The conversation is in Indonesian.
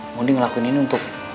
mondi ngelakuin ini untuk